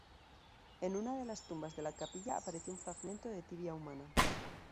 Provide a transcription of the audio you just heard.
En una la las tumbas de la capilla apareció un fragmento de tibia humana.